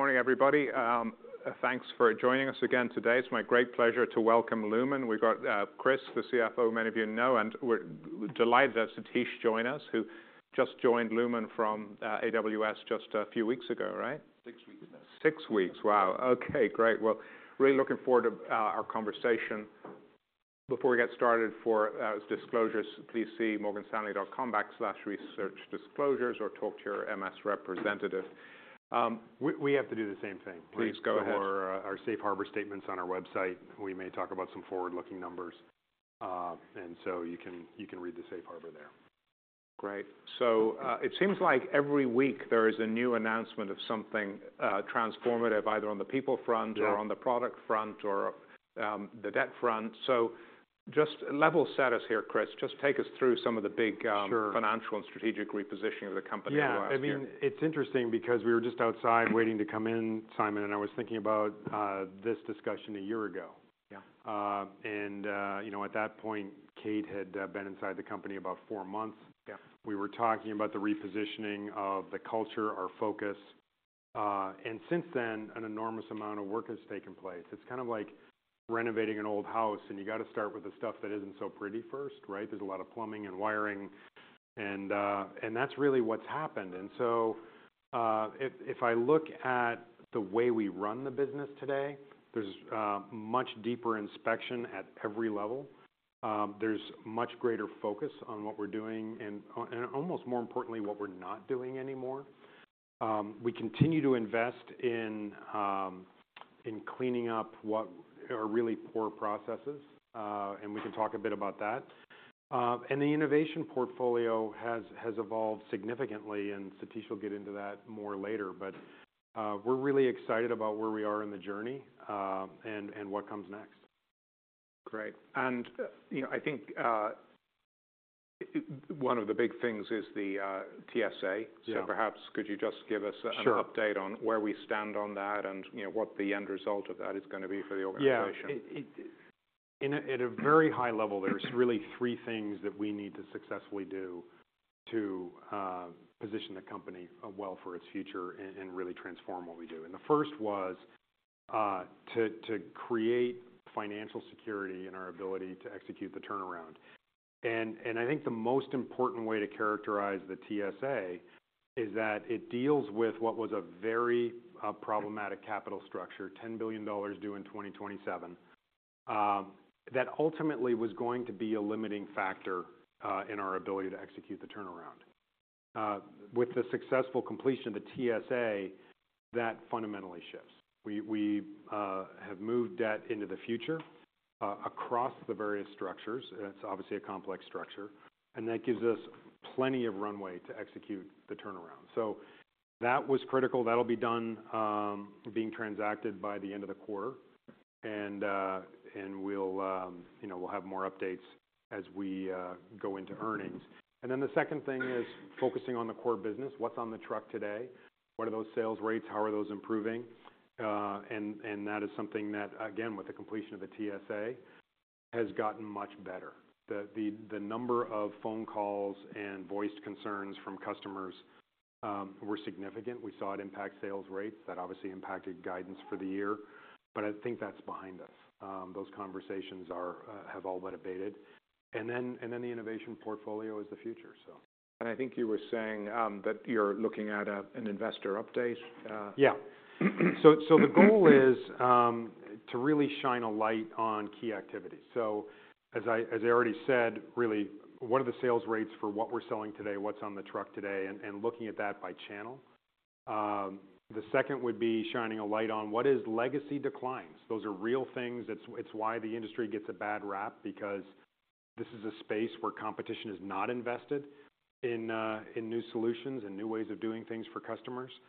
Good morning, everybody. Thanks for joining us again today. It's my great pleasure to welcome Lumen. We've got Chris, the CFO, many of you know, and we're delighted to have Satish join us, who just joined Lumen from AWS just a few weeks ago, right? Six weeks now. Six weeks. Wow! Okay, great. Well, really looking forward to our conversation. Before we get started, for disclosures, please see morganstanley.com/researchdisclosures, or talk to your MS representative. We have to do the same thing. Please go ahead. Our safe harbor statement's on our website. We may talk about some forward-looking numbers, and so you can read the safe harbor there. Great. So, it seems like every week there is a new announcement of something, transformative, either on the people front- Yeah... or on the product front or the debt front. So just level set us here, Chris. Just take us through some of the big, Sure... financial and strategic repositioning of the company in the last year. Yeah, I mean, it's interesting because we were just outside waiting to come in, Simon, and I was thinking about this discussion a year ago. Yeah. You know, at that point, Kate had been inside the company about four months. Yeah. We were talking about the repositioning of the culture, our focus, and since then, an enormous amount of work has taken place. It's kind of like renovating an old house, and you got to start with the stuff that isn't so pretty first, right? There's a lot of plumbing and wiring, and that's really what's happened. And so, if I look at the way we run the business today, there's much deeper inspection at every level. There's much greater focus on what we're doing and almost more importantly, what we're not doing anymore. We continue to invest in cleaning up what are really poor processes, and we can talk a bit about that. And the innovation portfolio has evolved significantly, and Satish will get into that more later. We're really excited about where we are in the journey, and what comes next. Great. You know, I think one of the big things is the TSA. Yeah. So, perhaps, could you just give us- Sure... an update on where we stand on that and, you know, what the end result of that is gonna be for the organization? Yeah. At a very high level, there's really three things that we need to successfully do to position the company well for its future and really transform what we do. And the first was to create financial security in our ability to execute the turnaround. And I think the most important way to characterize the TSA is that it deals with what was a very problematic capital structure, $10 billion due in 2027, that ultimately was going to be a limiting factor in our ability to execute the turnaround. With the successful completion of the TSA, that fundamentally shifts. We have moved debt into the future across the various structures, and it's obviously a complex structure, and that gives us plenty of runway to execute the turnaround. So that was critical. That'll be done, being transacted by the end of the quarter, and we'll, you know, we'll have more updates as we go into earnings. And then the second thing is focusing on the core business. What's on the truck today? What are those sales rates? How are those improving? And that is something that, again, with the completion of the TSA, has gotten much better. The number of phone calls and voiced concerns from customers were significant. We saw it impact sales rates. That obviously impacted guidance for the year, but I think that's behind us. Those conversations are have all been abated. And then the innovation portfolio is the future, so. I think you were saying that you're looking at an investor update. Yeah. So, so the goal is, to really shine a light on key activities. So as I, as I already said, really, what are the sales rates for what we're selling today, what's on the truck today, and, and looking at that by channel. The second would be shining a light on what is legacy declines. Those are real things. It's, it's why the industry gets a bad rap, because this is a space where competition is not invested in, in new solutions and new ways of doing things for customers. And,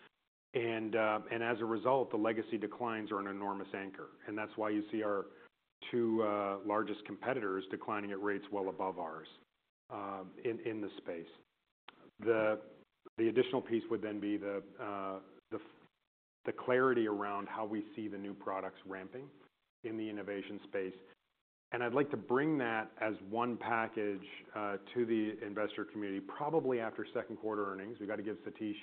and as a result, the legacy declines are an enormous anchor, and that's why you see our two, largest competitors declining at rates well above ours, in, in the space. The additional piece would then be the clarity around how we see the new products ramping in the innovation space. And I'd like to bring that as one package to the investor community, probably after second quarter earnings. We've got to give Satish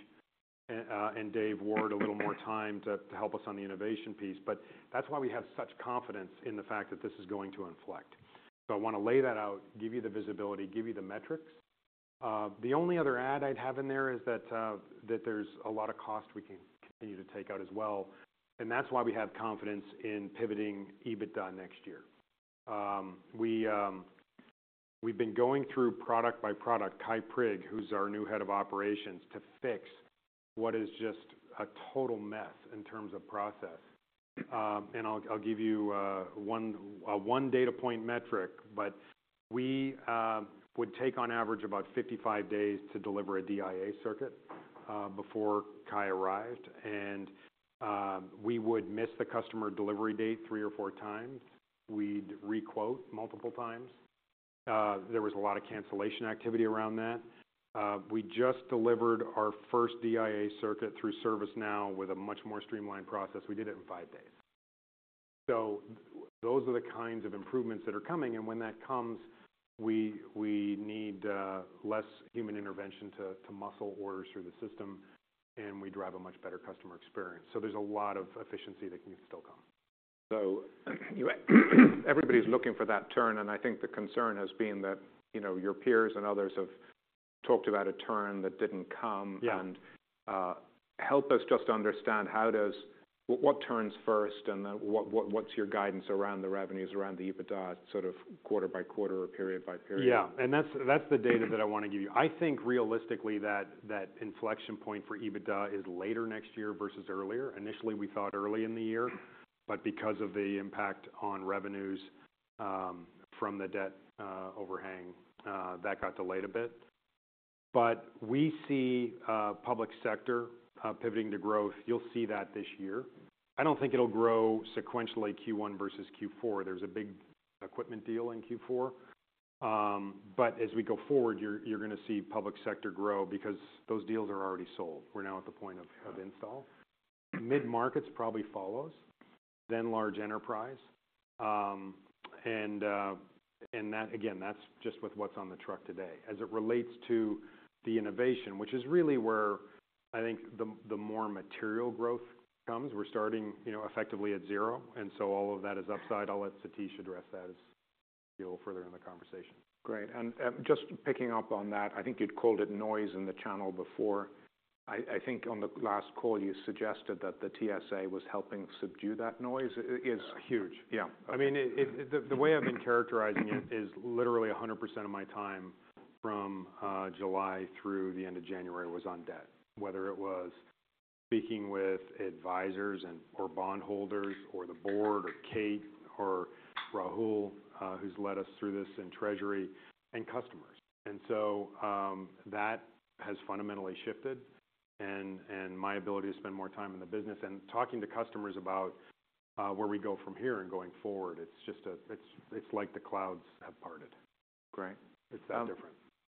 and Dave Ward a little more time to help us on the innovation piece, but that's why we have such confidence in the fact that this is going to inflect. So I want to lay that out, give you the visibility, give you the metrics. The only other add I'd have in there is that there's a lot of cost we can continue to take out as well, and that's why we have confidence in pivoting EBITDA next year. We've been going through product by product, Kye Prigg, who's our new head of operations, to fix what is just a total mess in terms of process. And I'll give you one data point metric, but we would take on average about 55 days to deliver a DIA circuit before Kye arrived, and we would miss the customer delivery date three or four times. We'd re-quote multiple times. There was a lot of cancellation activity around that. We just delivered our first DIA circuit through ServiceNow with a much more streamlined process. We did it in 5 days. So those are the kinds of improvements that are coming, and when that comes, we need less human intervention to muscle orders through the system, and we drive a much better customer experience. There's a lot of efficiency that can still come. Everybody's looking for that turn, and I think the concern has been that, you know, your peers and others have talked about a turn that didn't come. Yeah. Help us just understand how does... what turns first, and then what, what's your guidance around the revenues, around the EBITDA, sort of quarter by quarter or period by period? Yeah, and that's the data that I want to give you. I think realistically, that inflection point for EBITDA is later next year versus earlier. Initially, we thought early in the year, but because of the impact on revenues from the debt overhang, that got delayed a bit. But we see public sector pivoting to growth. You'll see that this year. I don't think it'll grow sequentially, Q1 versus Q4. There's a big equipment deal in Q4. But as we go forward, you're going to see public sector grow because those deals are already sold. We're now at the point of install. Mid-markets probably follows, then large enterprise. And that again, that's just with what's on the truck today. As it relates to the innovation, which is really where I think the more material growth comes, we're starting, you know, effectively at zero, and so all of that is upside. I'll let Satish address that as we go further in the conversation. Great. And just picking up on that, I think you'd called it noise in the channel before. I think on the last call, you suggested that the TSA was helping subdue that noise. It is- Huge. Yeah. I mean, the way I've been characterizing it is literally 100% of my time from July through the end of January was on debt, whether it was speaking with advisors and/or bondholders, or the board, or Kate, or Rahul, who's led us through this in treasury, and customers. So, that has fundamentally shifted, and my ability to spend more time in the business and talking to customers about where we go from here and going forward, it's just, it's like the clouds have parted. Great. It's that different.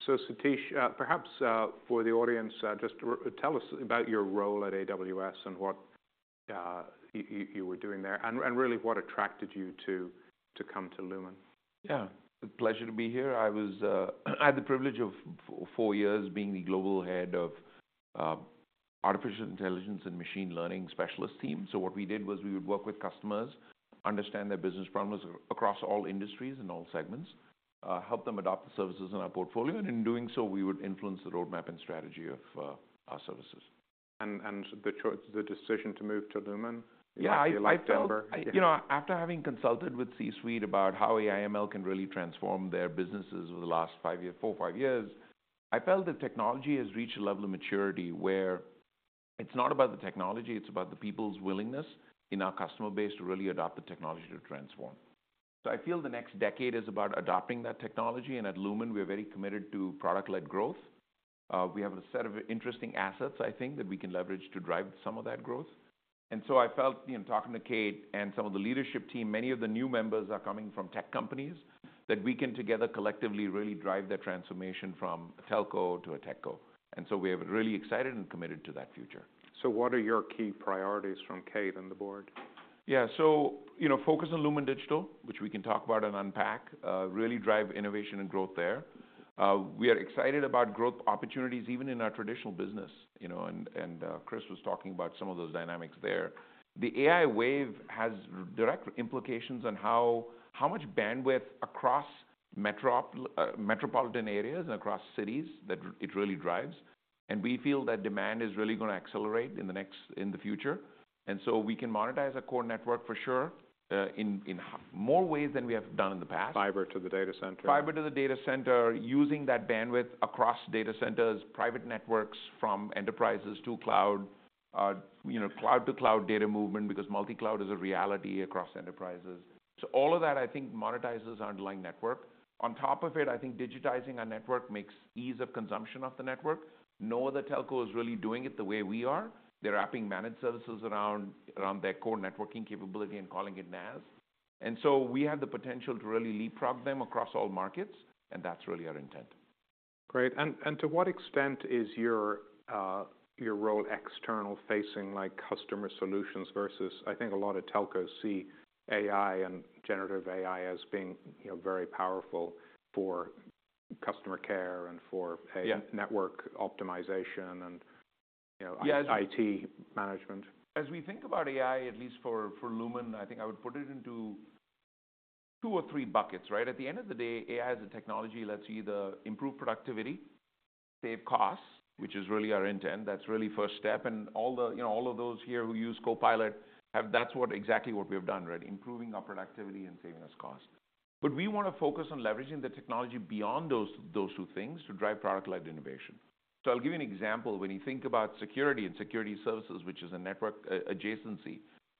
So, Satish, perhaps for the audience, just tell us about your role at AWS and what you were doing there, and really what attracted you to come to Lumen? Yeah. It's a pleasure to be here. I was, I had the privilege of four years being the global head of Artificial Intelligence and Machine Learning Specialist team. So what we did was we would work with customers, understand their business problems across all industries and all segments, help them adopt the services in our portfolio, and in doing so, we would influence the roadmap and strategy of our services. And the decision to move to Lumen- Yeah, I felt- October. You know, after having consulted with C-suite about how AI/ML can really transform their businesses over the last 5-years, 4-years, 5-years, I felt the technology has reached a level of maturity where it's not about the technology, it's about the people's willingness in our customer base to really adopt the technology to transform. So I feel the next decade is about adopting that technology, and at Lumen, we're very committed to product-led growth. We have a set of interesting assets, I think, that we can leverage to drive some of that growth. And so I felt, in talking to Kate and some of the leadership team, many of the new members are coming from tech companies, that we can together, collectively, really drive that transformation from a telco to a techco. And so we are really excited and committed to that future. What are your key priorities from Kate and the board? Yeah. So, you know, focus on Lumen Digital, which we can talk about and unpack, really drive innovation and growth there. We are excited about growth opportunities even in our traditional business, you know, and Chris was talking about some of those dynamics there. The AI wave has direct implications on how much bandwidth across metropolitan areas and across cities, that it really drives. And we feel that demand is really going to accelerate in the future. And so we can monetize a core network for sure, in more ways than we have done in the past. fiber to the data center. Fiber to the data center, using that bandwidth across data centers, private networks, from enterprises to cloud, you know, cloud to cloud data movement, because multi-cloud is a reality across enterprises. So all of that, I think, monetizes our underlying network. On top of it, I think digitizing our network makes ease of consumption of the network. No other telco is really doing it the way we are. They're wrapping managed services around their core networking capability and calling it NaaS. And so we have the potential to really leapfrog them across all markets, and that's really our intent. Great. And to what extent is your, your role external facing, like customer solutions versus I think a lot of telcos see AI and generative AI as being, you know, very powerful for customer care and for- Yeah... network optimization and, you know- Yeah - IT management. As we think about AI, at least for Lumen, I think I would put it into two or three buckets, right? At the end of the day, AI as a technology lets you either improve productivity, save costs, which is really our intent, that's really first step. And all the, you know, all of those here who use Copilot, that's what exactly what we have done, right? Improving our productivity and saving us cost. But we want to focus on leveraging the technology beyond those, those two things to drive product-led innovation. So I'll give you an example. When you think about security and security services, which is a network adjacency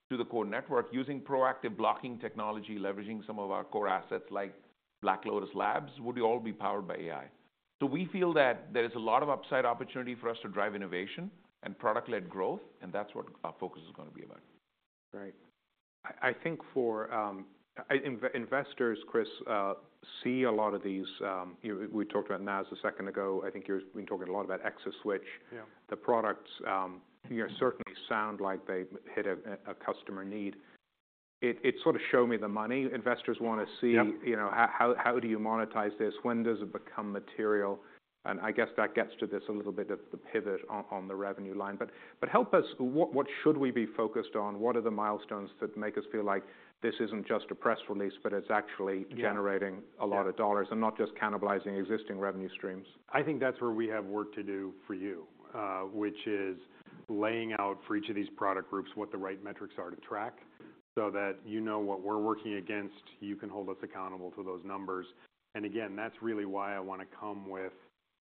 to the core network, using proactive blocking technology, leveraging some of our core assets like Black Lotus Labs, would all be powered by AI. We feel that there is a lot of upside opportunity for us to drive innovation and product-led growth, and that's what our focus is going to be about. Great. I think for investors, Chris, see a lot of these, we talked about NaaS a second ago. I think you're been talking a lot about ExaSwitch. Yeah. The products, you know, certainly sound like they hit a customer need. It's sort of show me the money. Investors want to see- Yep You know, how, how do you monetize this? When does it become material? And I guess that gets to this a little bit of the pivot on, on the revenue line. But, but help us, what, what should we be focused on? What are the milestones that make us feel like this isn't just a press release, but it's actually- Yeah - generating a lot of dollars and not just cannibalizing existing revenue streams? I think that's where we have work to do for you, which is laying out for each of these product groups what the right metrics are to track, so that you know what we're working against, you can hold us accountable to those numbers. And again, that's really why I want to come with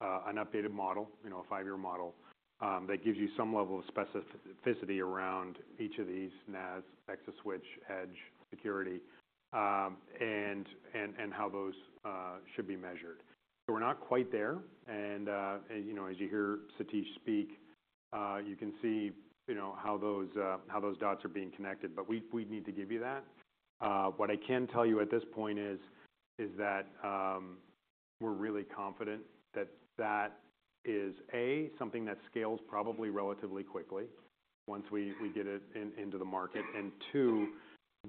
an updated model, you know, a five-year model, that gives you some level of specificity around each of these, NAS, ExaSwitch, Edge, Security, and how those should be measured. So we're not quite there, and you know, as you hear Satish speak, you can see, you know, how those dots are being connected. But we need to give you that. What I can tell you at this point is that we're really confident that that is, A, something that scales probably relatively quickly once we get it into the market. And two,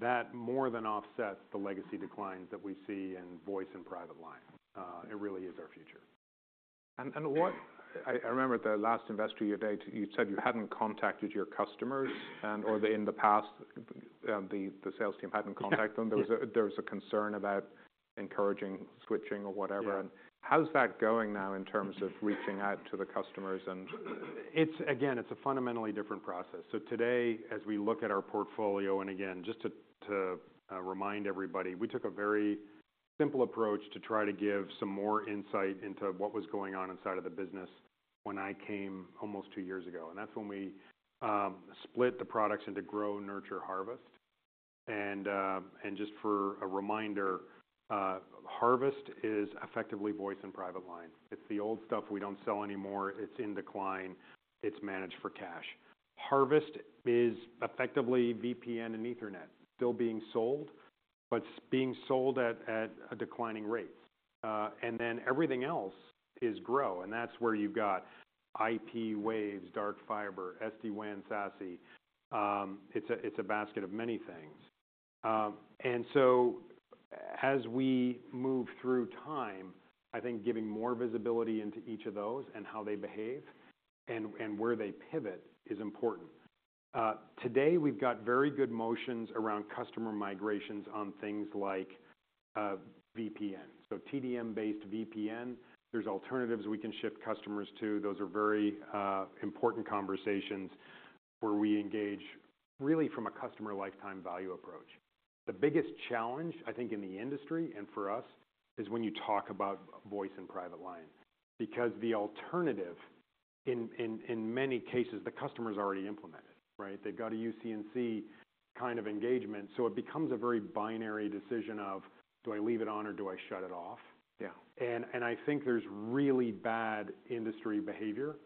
that more than offsets the legacy declines that we see in voice and private line. It really is our future. I remember at the last Investor Day, you said you hadn't contacted your customers, and or they in the past, the sales team hadn't contacted them. Yeah. There was a concern about encouraging switching or whatever. Yeah. How's that going now in terms of reaching out to the customers and- It's again, it's a fundamentally different process. So today, as we look at our portfolio, and again, just to remind everybody, we took a very simple approach to try to give some more insight into what was going on inside of the business when I came almost two years ago, and that's when we split the products into grow, nurture, harvest. And just for a reminder, harvest is effectively voice and private line. It's the old stuff we don't sell anymore. It's in decline. It's managed for cash. harvest is effectively VPN and Ethernet. Still being sold, but being sold at a declining rate. And then everything else is grow, and that's where you've got IP waves, dark fiber, SD-WAN, SASE. It's a basket of many things. And so as we move through time, I think giving more visibility into each of those and how they behave and where they pivot is important. Today, we've got very good motions around customer migrations on things like VPN. TDM-based VPN, there's alternatives we can ship customers to. Those are very important conversations, where we engage really from a customer lifetime value approach. The biggest challenge, I think, in the industry and for us, is when you talk about voice and private line. Because the alternative, in many cases, the customer's already implemented, right? They've got a UC&C kind of engagement, so it becomes a very binary decision of: Do I leave it on or do I shut it off? Yeah. I think there's really bad industry behavior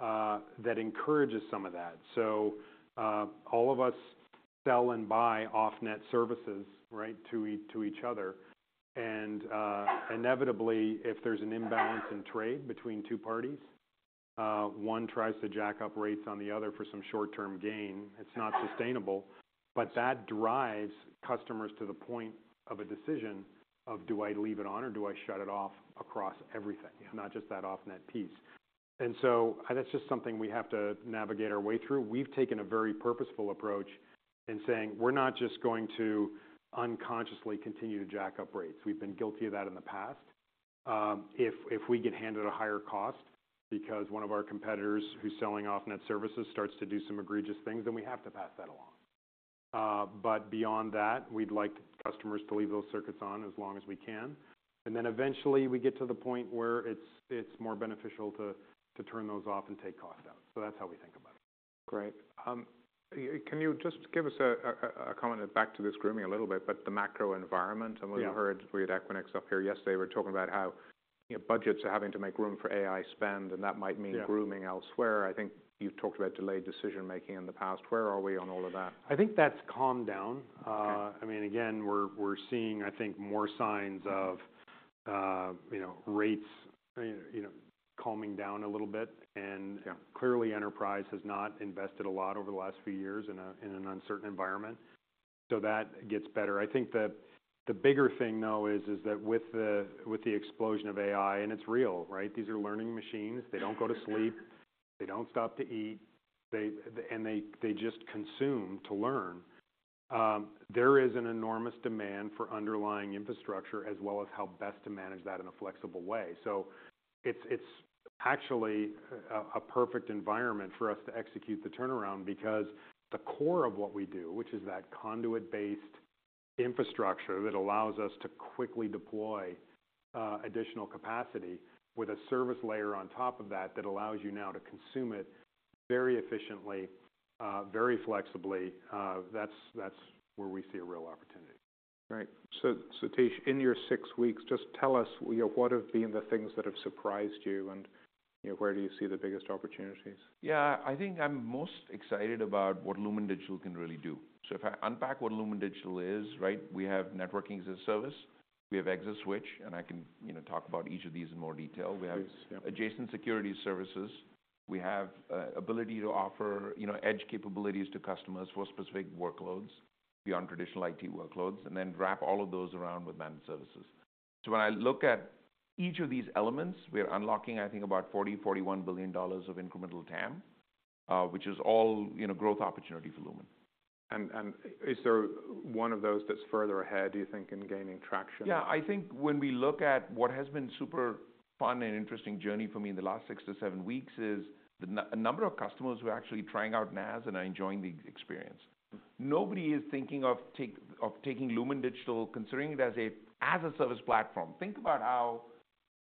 that encourages some of that. All of us sell and buy off-net services, right, to each other. Inevitably, if there's an imbalance in trade between two parties, one tries to jack up rates on the other for some short-term gain. It's not sustainable, but that drives customers to the point of a decision of: Do I leave it on or do I shut it off across everything? Yeah not just that off-net piece. And so that's just something we have to navigate our way through. We've taken a very purposeful approach in saying: We're not just going to unconsciously continue to jack up rates. We've been guilty of that in the past. If we get handed a higher cost because one of our competitors who's selling off-net services starts to do some egregious things, then we have to pass that along. But beyond that, we'd like customers to leave those circuits on as long as we can, and then eventually we get to the point where it's more beneficial to turn those off and take cost out. So that's how we think about it. Great. Can you just give us a comment back to this grooming a little bit, but the macro environment? Yeah. I mean, we heard we had Equinix up here yesterday, we were talking about how, you know, budgets are having to make room for AI spend, and that might mean- Yeah Grooming elsewhere. I think you've talked about delayed decision-making in the past. Where are we on all of that? I think that's calmed down. Okay. I mean, again, we're seeing, I think, more signs of, you know, rates, you know, calming down a little bit. Yeah. Clearly, enterprise has not invested a lot over the last few years in an uncertain environment, so that gets better. I think the bigger thing, though, is that with the explosion of AI, and it's real, right? These are learning machines. They don't go to sleep. Yeah. They don't stop to eat. They and they just consume to learn. There is an enormous demand for underlying infrastructure, as well as how best to manage that in a flexible way. So it's actually a perfect environment for us to execute the turnaround because the core of what we do, which is that conduit-based infrastructure that allows us to quickly deploy additional capacity with a service layer on top of that, that allows you now to consume it very efficiently, very flexibly, that's where we see a real opportunity. All right. So, Satish, in your six weeks, just tell us, you know, what have been the things that have surprised you, and, you know, where do you see the biggest opportunities? Yeah. I think I'm most excited about what Lumen Digital can really do. So if I unpack what Lumen Digital is, right? We have networking as a service, we have ExaSwitch, and I can, you know, talk about each of these in more detail. Please, yeah. We have adjacent security services. We have ability to offer, you know, edge capabilities to customers for specific workloads beyond traditional IT workloads, and then wrap all of those around with managed services. So when I look at each of these elements, we are unlocking, I think, about $40 billion-$41 billion of incremental TAM, which is all, you know, growth opportunity for Lumen. Is there one of those that's further ahead, do you think, in gaining traction? Yeah. I think when we look at what has been super fun and interesting journey for me in the last 6-weeks-7-weeks, is the number of customers who are actually trying out NaaS and are enjoying the experience. Nobody is thinking of taking Lumen Digital, considering it as an as-a-service platform. Think about how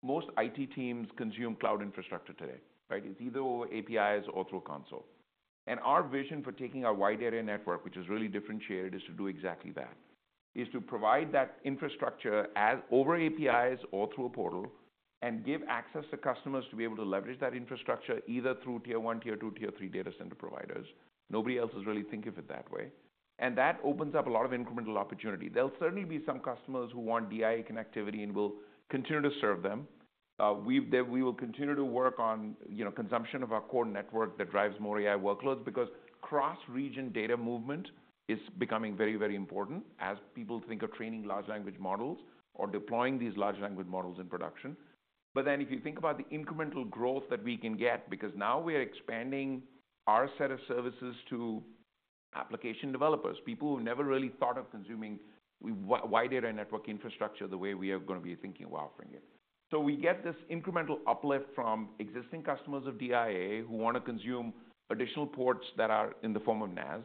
most IT teams consume cloud infrastructure today, right? It's either over APIs or through a console. And our vision for taking our wide area network, which is really differentiated, is to do exactly that: is to provide that infrastructure as over APIs or through a portal, and give access to customers to be able to leverage that infrastructure either through tier one, tier two, tier three data center providers. Nobody else is really thinking of it that way, and that opens up a lot of incremental opportunity. There'll certainly be some customers who want DIA connectivity, and we'll continue to serve them. Then we will continue to work on, you know, consumption of our core network that drives more AI workloads, because cross-region data movement is becoming very, very important as people think of training large language models or deploying these large language models in production. But then, if you think about the incremental growth that we can get, because now we are expanding our set of services to application developers, people who never really thought of consuming wide area network infrastructure the way we are going to be thinking of offering it. So we get this incremental uplift from existing customers of DIA who want to consume additional ports that are in the form of NaaS.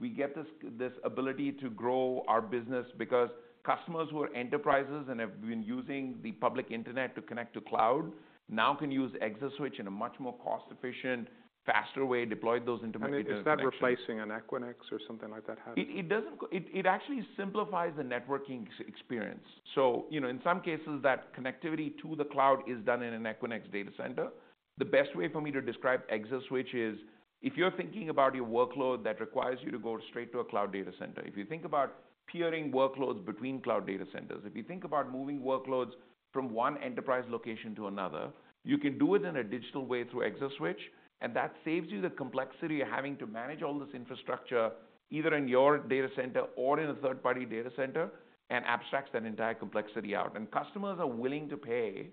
We get this ability to grow our business because customers who are enterprises and have been using the public internet to connect to cloud now can use ExaSwitch in a much more cost-efficient, faster way, deploy those into production. Is that replacing an Equinix or something like that, how it- It actually simplifies the networking experience. So, you know, in some cases, that connectivity to the cloud is done in an Equinix data center. The best way for me to describe ExaSwitch is, if you're thinking about your workload that requires you to go straight to a cloud data center, if you think about peering workloads between cloud data centers, if you think about moving workloads from one enterprise location to another, you can do it in a digital way through ExaSwitch, and that saves you the complexity of having to manage all this infrastructure, either in your data center or in a third-party data center, and abstracts that entire complexity out. Customers are willing to pay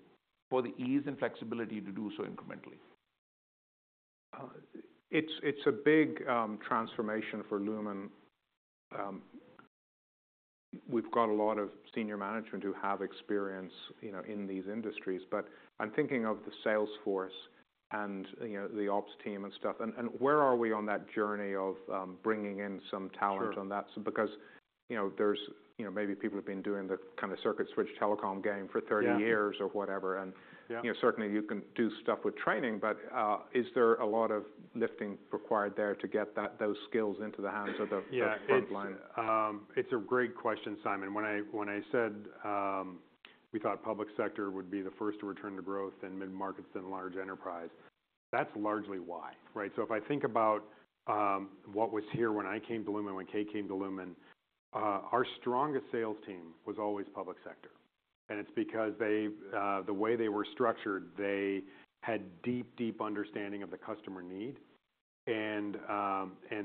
for the ease and flexibility to do so incrementally. It's a big transformation for Lumen. We've got a lot of senior management who have experience, you know, in these industries, but I'm thinking of the sales force and, you know, the ops team and stuff. And where are we on that journey of bringing in some talent- Sure - on that? Because, you know, there's, you know, maybe people have been doing the kind of circuit switch telecom game for 30 years- Yeah - or whatever, and- Yeah... you know, certainly you can do stuff with training, but is there a lot of lifting required there to get those skills into the hands of the frontline? Yeah. It's a great question, Simon. When I said we thought public sector would be the first to return to growth, then mid-markets, then large enterprise, that's largely why, right? So if I think about what was here when I came to Lumen, when Kate came to Lumen, our strongest sales team was always public sector. And it's because they, the way they were structured, they had deep, deep understanding of the customer need and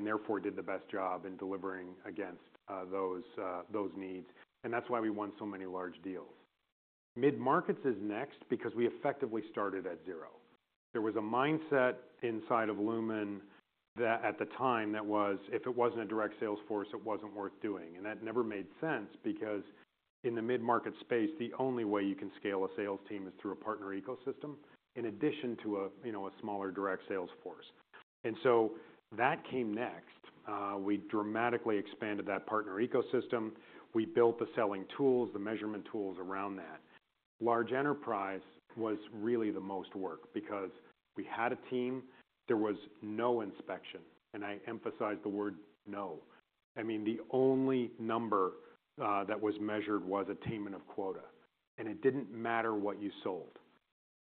therefore did the best job in delivering against those needs, and that's why we won so many large deals. Mid-markets is next because we effectively started at zero. There was a mindset inside of Lumen that at the time, that was, if it wasn't a direct sales force, it wasn't worth doing. And that never made sense, because in the mid-market space, the only way you can scale a sales team is through a partner ecosystem, in addition to a, you know, a smaller direct sales force. And so that came next. We dramatically expanded that partner ecosystem. We built the selling tools, the measurement tools around that. Large enterprise was really the most work, because we had a team. There was no inspection, and I emphasize the word no. I mean, the only number that was measured was attainment of quota, and it didn't matter what you sold.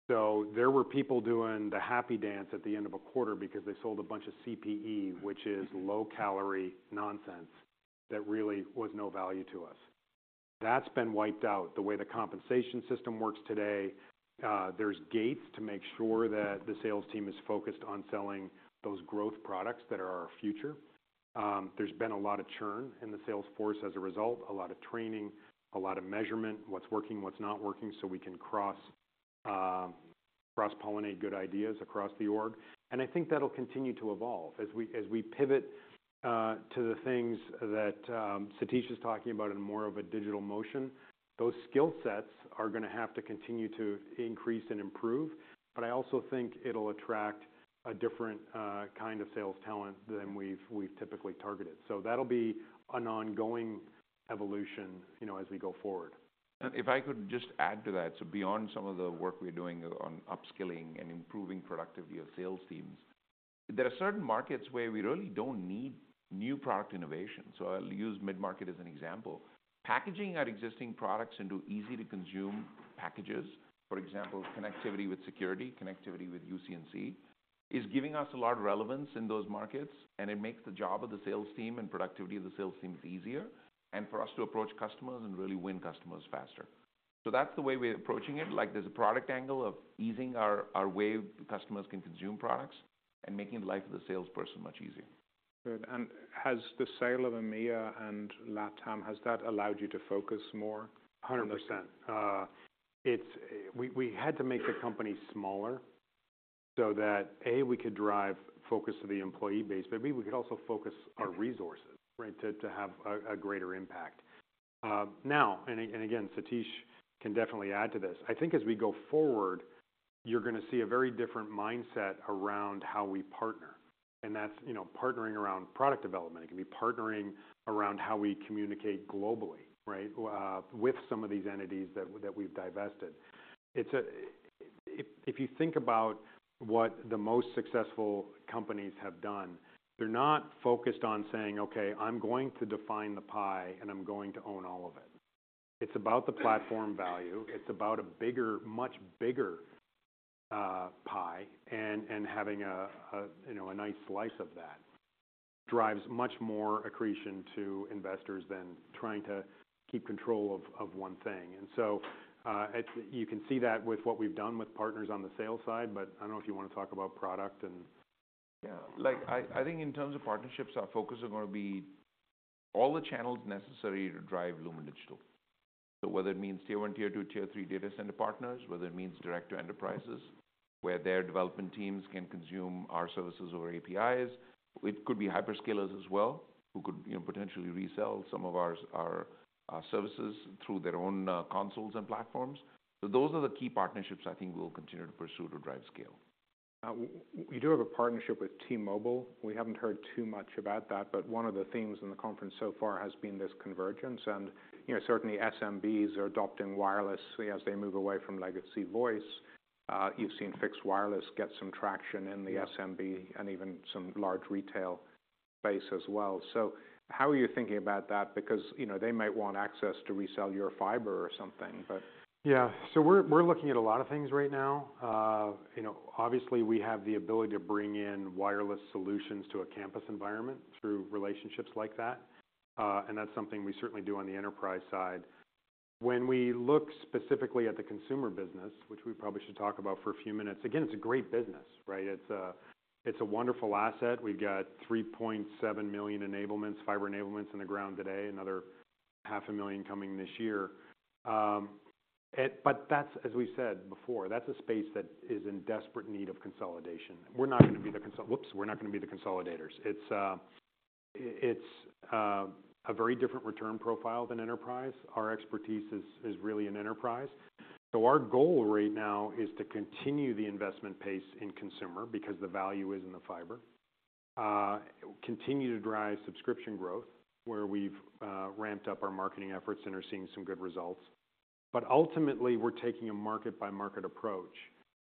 So there were people doing the happy dance at the end of a quarter because they sold a bunch of CPE, which is low-calorie nonsense that really was no value to us. That's been wiped out. The way the compensation system works today, there's gates to make sure that the sales team is focused on selling those growth products that are our future. There's been a lot of churn in the sales force as a result, a lot of training, a lot of measurement, what's working, what's not working, so we can cross-pollinate good ideas across the org. I think that'll continue to evolve. As we pivot to the things that Satish is talking about in more of a digital motion, those skill sets are going to have to continue to increase and improve, but I also think it'll attract a different kind of sales talent than we've typically targeted. That'll be an ongoing evolution, you know, as we go forward. If I could just add to that. So beyond some of the work we're doing on upskilling and improving productivity of sales teams, there are certain markets where we really don't need new product innovation. I'll use mid-market as an example. Packaging our existing products into easy-to-consume packages, for example, connectivity with security, connectivity with UC&C, is giving us a lot of relevance in those markets, and it makes the job of the sales team and productivity of the sales teams easier, and for us to approach customers and really win customers faster. So that's the way we're approaching it. Like, there's a product angle of easing our way customers can consume products and making life of the salesperson much easier. Good. Has the sale of EMEA and LATAM, has that allowed you to focus more? 100%. We had to make the company smaller so that, A, we could drive focus to the employee base, but, B, we could also focus our resources, right? To have a greater impact. Now, Satish can definitely add to this. I think as we go forward, you're gonna see a very different mindset around how we partner. And that's, you know, partnering around product development. It can be partnering around how we communicate globally, right? With some of these entities that we've divested. It's. If you think about what the most successful companies have done, they're not focused on saying: Okay, I'm going to define the pie, and I'm going to own all of it. It's about the platform value. It's about a bigger, much bigger pie, and having a, you know, a nice slice of that. Drives much more accretion to investors than trying to keep control of one thing. And so, you can see that with what we've done with partners on the sales side, but I don't know if you want to talk about product and- Yeah. Like, I think in terms of partnerships, our focus are gonna be all the channels necessary to drive Lumen digital. So whether it means tier one, tier two, tier three data center partners, whether it means direct to enterprises, where their development teams can consume our services over APIs. It could be hyperscalers as well, who could, you know, potentially resell some of our services through their own consoles and platforms. So those are the key partnerships I think we'll continue to pursue to drive scale. We do have a partnership with T-Mobile. We haven't heard too much about that, but one of the themes in the conference so far has been this convergence. And, you know, certainly SMBs are adopting wireless as they move away from legacy voice. You've seen fixed wireless get some traction in the SMB- Yeah... and even some large retail base as well. So how are you thinking about that? Because, you know, they might want access to resell your fiber or something, but- Yeah. So we're looking at a lot of things right now. You know, obviously, we have the ability to bring in wireless solutions to a campus environment through relationships like that, and that's something we certainly do on the enterprise side. When we look specifically at the consumer business, which we probably should talk about for a few minutes, again, it's a great business, right? It's a wonderful asset. We've got 3.7 million enablements, fiber enablements in the ground today, another 500,000 coming this year. But that's as we've said before, that's a space that is in desperate need of consolidation. We're not gonna be the consolidators. It's a very different return profile than enterprise. Our expertise is really in enterprise. So our goal right now is to continue the investment pace in consumer because the value is in the fiber. Continue to drive subscription growth, where we've ramped up our marketing efforts and are seeing some good results. But ultimately, we're taking a market-by-market approach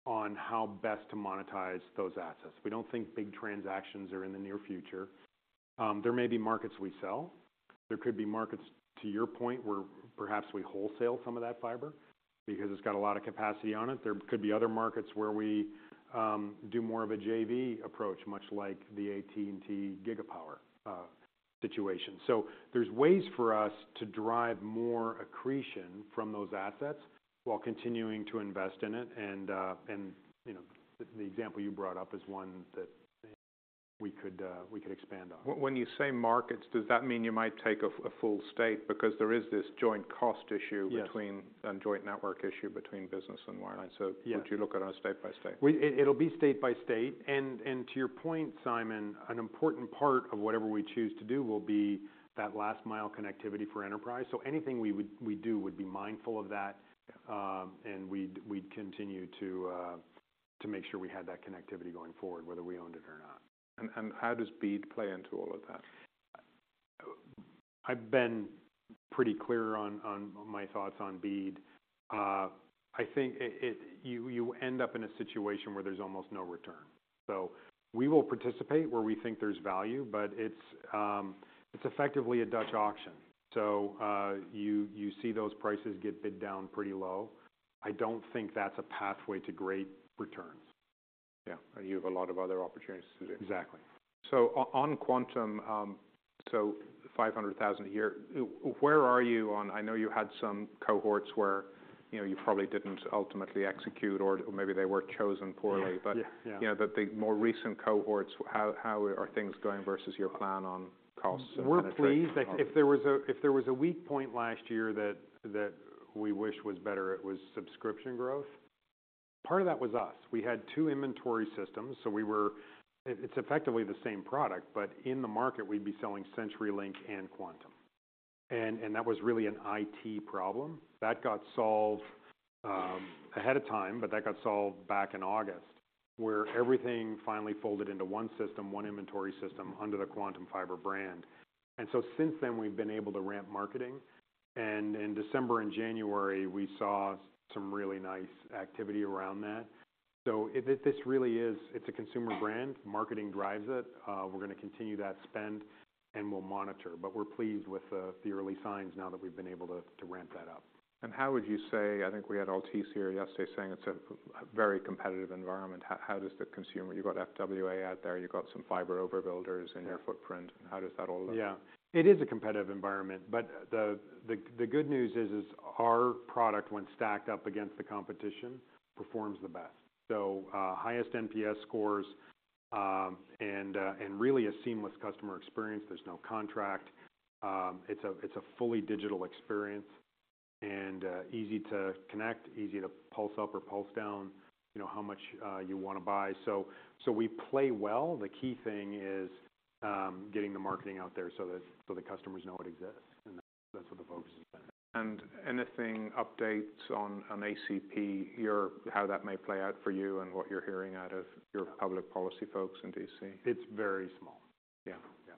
on how best to monetize those assets. We don't think big transactions are in the near future. There may be markets we sell. There could be markets, to your point, where perhaps we wholesale some of that fiber because it's got a lot of capacity on it. There could be other markets where we do more of a JV approach, much like the AT&T GigaPower situation. So there's ways for us to drive more accretion from those assets while continuing to invest in it, and, you know, the example you brought up is one that we could expand on. When you say markets, does that mean you might take a full state? Because there is this joint cost issue- Yes... between and joint network issue between business and wireline. Yeah. Would you look at it state by state? It'll be state by state. And to your point, Simon, an important part of whatever we choose to do will be that last mile connectivity for enterprise. So anything we do would be mindful of that, and we'd continue to make sure we had that connectivity going forward, whether we owned it or not. And how does BEAD play into all of that? I've been pretty clear on my thoughts on BEAD. I think you end up in a situation where there's almost no return. So we will participate where we think there's value, but it's effectively a Dutch auction. So, you see those prices get bid down pretty low. I don't think that's a pathway to great returns. Yeah, and you have a lot of other opportunities to do. Exactly. So on Quantum, $500,000 a year, where are you on... I know you had some cohorts where, you know, you probably didn't ultimately execute or maybe they were chosen poorly. Yeah, yeah, yeah. But you know, the more recent cohorts, how are things going versus your plan on costs and kind of- We're pleased. Like, if there was a weak point last year that we wish was better, it was subscription growth. Part of that was us. We had two inventory systems, so it's effectively the same product, but in the market, we'd be selling CenturyLink and Quantum. And that was really an IT problem. That got solved ahead of time, but that got solved back in August, where everything finally folded into one system, one inventory system under the Quantum Fiber brand. And so since then, we've been able to ramp marketing, and in December and January, we saw some really nice activity around that. So this really is, it's a consumer brand. Marketing drives it. We're gonna continue that spend, and we'll monitor. But we're pleased with the early signs now that we've been able to ramp that up. How would you say... I think we had Altice here yesterday saying it's a very competitive environment. How does the consumer—you got FWA out there, you got some fiber overbuilders in your footprint. How does that all look? Yeah. It is a competitive environment, but the good news is our product, when stacked up against the competition, performs the best. So, highest NPS scores, and really a seamless customer experience. There's no contract. It's a fully digital experience... and easy to connect, easy to pulse up or pulse down, you know, how much you want to buy. So we play well. The key thing is getting the marketing out there so that the customers know it exists, and that's where the focus has been. Any updates on an ACP, how that may play out for you and what you're hearing out of your public policy folks in D.C.? It's very small. Yeah. Yeah.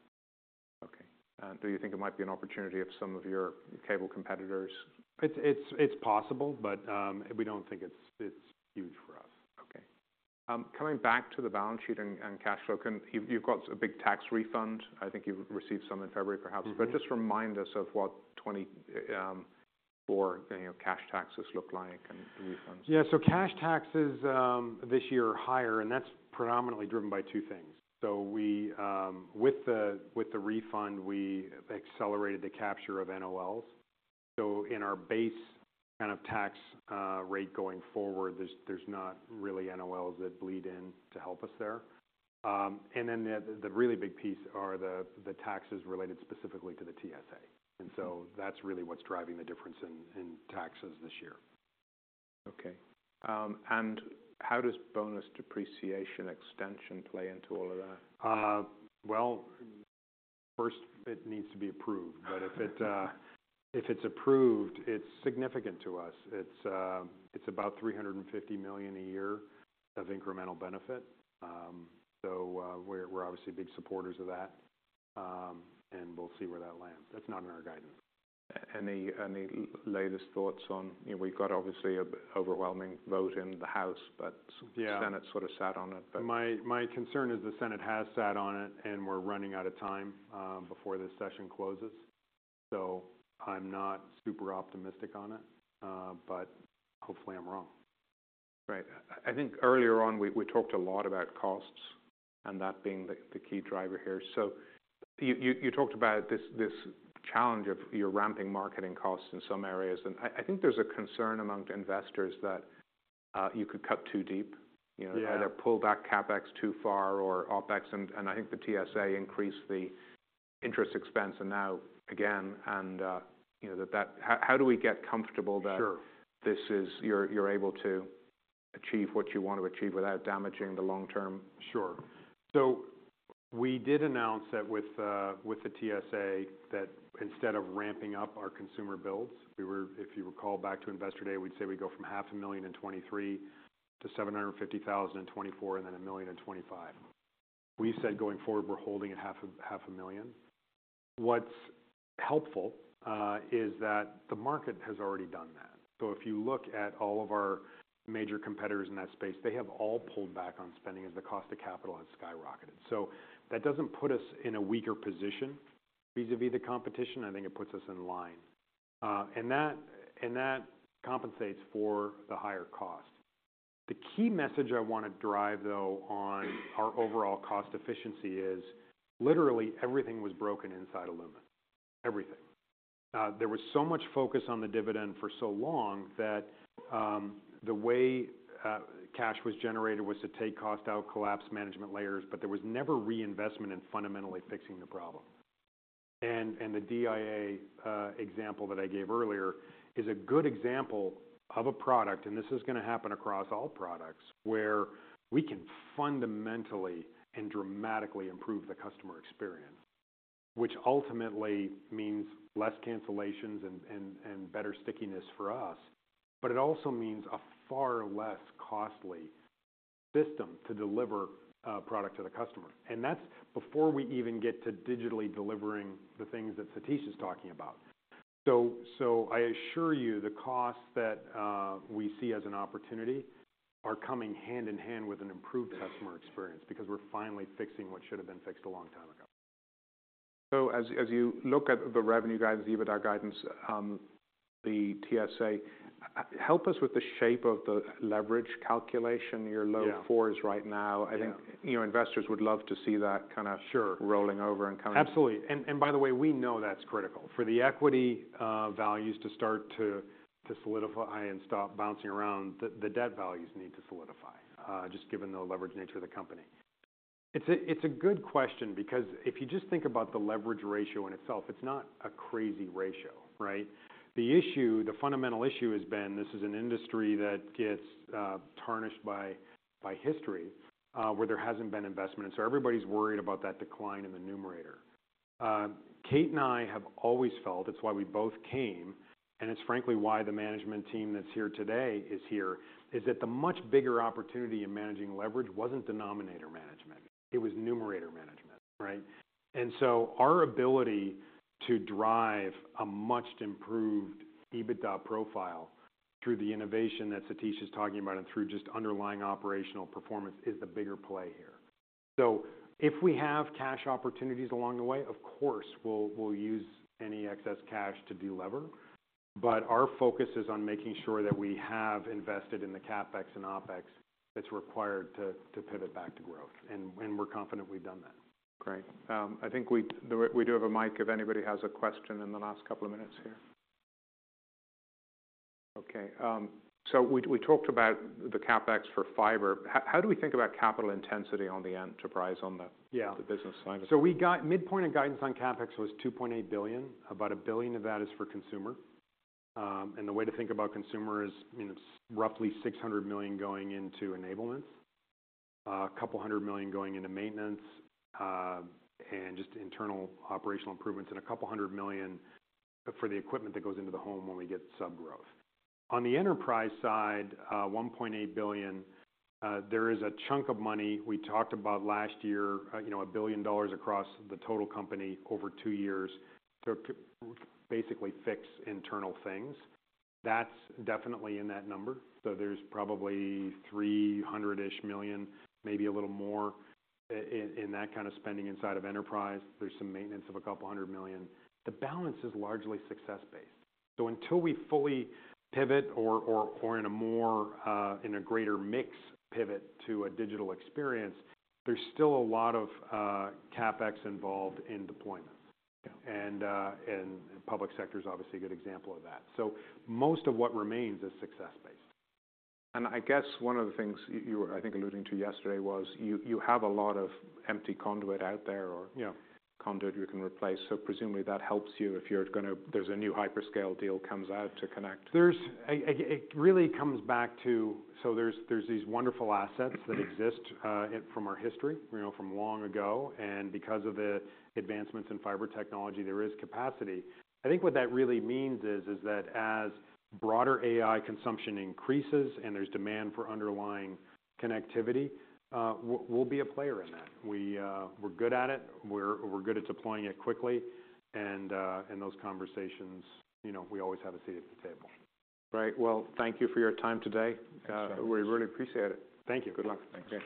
Okay. And do you think it might be an opportunity if some of your cable competitors- It's possible, but we don't think it's huge for us. Okay. Coming back to the balance sheet and cash flow, you've got a big tax refund. I think you've received some in February, perhaps. Mm-hmm. Just remind us of what 2024, you know, cash taxes look like and the refunds. Yeah, so cash taxes this year are higher, and that's predominantly driven by two things. So we, with the refund, we accelerated the capture of NOLs. So in our base kind of tax rate going forward, there's not really NOLs that bleed in to help us there. And then the really big piece are the taxes related specifically to the TSA. Mm-hmm. That's really what's driving the difference in taxes this year. Okay. How does bonus depreciation extension play into all of that? Well, first, it needs to be approved. But if it, if it's approved, it's significant to us. It's, it's about $350 million a year of incremental benefit. So, we're, we're obviously big supporters of that. And we'll see where that lands. That's not in our guidance. Any latest thoughts on... You know, we've got obviously an overwhelming vote in the House, but- Yeah... the Senate sort of sat on it, but- My concern is the Senate has sat on it, and we're running out of time before the session closes. So I'm not super optimistic on it, but hopefully I'm wrong. Right. I think earlier on, we talked a lot about costs and that being the key driver here. So you talked about this challenge of your ramping marketing costs in some areas, and I think there's a concern among investors that you could cut too deep, you know? Yeah. Either pull back CapEx too far or OpEx, and I think the TSA increased the interest expense, and now again, you know, that – how do we get comfortable that- Sure... you're able to achieve what you want to achieve without damaging the long term? Sure. So we did announce that with the TSA, that instead of ramping up our consumer builds, if you recall back to Investor Day, we'd say we'd go from $500,000 in 2023 to $750,000 in 2024, and then $1 million in 2025. We said going forward, we're holding at$ 500,000. What's helpful is that the market has already done that. So if you look at all of our major competitors in that space, they have all pulled back on spending as the cost of capital has skyrocketed. So that doesn't put us in a weaker position vis-à-vis the competition. I think it puts us in line. And that compensates for the higher cost. The key message I want to drive, though, on-... Our overall cost efficiency is literally everything. Everything was broken inside of Lumen. There was so much focus on the dividend for so long that the way cash was generated was to take cost out, collapse management layers, but there was never reinvestment in fundamentally fixing the problem. And the DIA example that I gave earlier is a good example of a product, and this is going to happen across all products, where we can fundamentally and dramatically improve the customer experience, which ultimately means less cancellations and better stickiness for us. But it also means a far less costly system to deliver product to the customer. And that's before we even get to digitally delivering the things that Satish is talking about. So, I assure you, the costs that we see as an opportunity are coming hand in hand with an improved customer experience because we're finally fixing what should have been fixed a long time ago. So as you look at the revenue guidance, EBITDA guidance, the TSA, help us with the shape of the leverage calculation. Yeah. Your low 4s right now. Yeah. I think, you know, investors would love to see that kind of... Sure... rolling over and coming. Absolutely. And by the way, we know that's critical. For the equity values to start to solidify and stop bouncing around, the debt values need to solidify just given the leverage nature of the company. It's a good question because if you just think about the leverage ratio in itself, it's not a crazy ratio, right? The issue, the fundamental issue has been this is an industry that gets tarnished by history where there hasn't been investment, and so everybody's worried about that decline in the numerator. Kate and I have always felt, it's why we both came, and it's frankly why the management team that's here today is here, that the much bigger opportunity in managing leverage wasn't denominator management. It was numerator management, right? And so our ability to drive a much improved EBITDA profile through the innovation that Satish is talking about and through just underlying operational performance, is the bigger play here. So if we have cash opportunities along the way, of course, we'll, we'll use any excess cash to delever, but our focus is on making sure that we have invested in the CapEx and OpEx that's required to, to pivot back to growth, and, and we're confident we've done that. Great. I think we do have a mic if anybody has a question in the last couple of minutes here. Okay, so we talked about the CapEx for fiber. How do we think about capital intensity on the enterprise, on the- Yeah the business side? So we got midpoint of guidance on CapEx was $2.8 billion. About $1 billion of that is for consumer. And the way to think about consumer is, you know, it's roughly $600 million going into enablement, a couple hundred million going into maintenance, and just internal operational improvements, and a couple hundred million for the equipment that goes into the home when we get sub growth. On the enterprise side, $1.8 billion, there is a chunk of money we talked about last year, you know, $1 billion across the total company over 2 years, to basically fix internal things. That's definitely in that number, so there's probably $300-ish million, maybe a little more, in that kind of spending inside of enterprise. There's some maintenance of a couple hundred million. The balance is largely success-based. So until we fully pivot or in a more in a greater mix pivot to a digital experience, there's still a lot of CapEx involved in deployments. Yeah. And, public sector is obviously a good example of that. So most of what remains is success-based. I guess one of the things you were, I think, alluding to yesterday was you have a lot of empty conduit out there or, you know, conduit you can replace. So presumably, that helps you if you're gonna- there's a new hyperscale deal comes out to connect. It really comes back to, so there's these wonderful assets that exist from our history, you know, from long ago, and because of the advancements in fiber technology, there is capacity. I think what that really means is that as broader AI consumption increases and there's demand for underlying connectivity, we'll be a player in that. We're good at it, we're good at deploying it quickly, and in those conversations, you know, we always have a seat at the table. Right. Well, thank you for your time today. Thanks. We really appreciate it. Thank you. Good luck. Thanks.